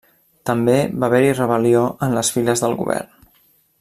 També va haver-hi rebel·lió en les files del govern.